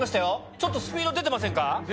ちょっとスピード出てませんか？